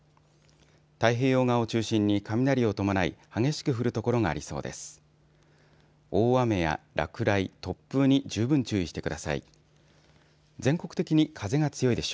太平洋側を中心に雷を伴い、激しく降る所がありそうです。